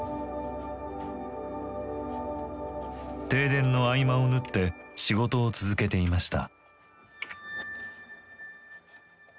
停電の合間を縫って仕事を続けていました。